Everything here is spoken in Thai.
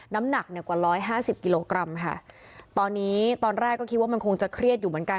น้ำหนักเนี่ยกว่าร้อยห้าสิบกิโลกรัมค่ะตอนนี้ตอนแรกก็คิดว่ามันคงจะเครียดอยู่เหมือนกัน